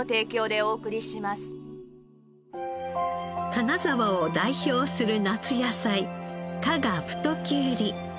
金沢を代表する夏野菜加賀太きゅうり。